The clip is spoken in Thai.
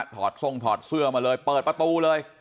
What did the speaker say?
อดทรงถอดเสื้อมาเลยเปิดประตูเลย